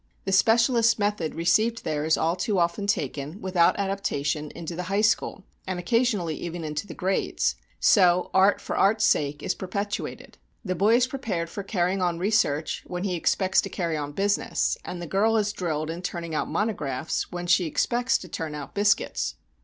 The specialist's method received there is all too often taken, without adaptation into the high school and occasionally even into the grades. So "art for art's sake" is perpetuated. The boy is prepared for carrying on research when he expects to carry on business, and the girl is drilled in turning out monographs when she expects to turn out biscuits.